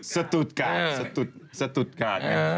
สตุดกาดสตุดกาด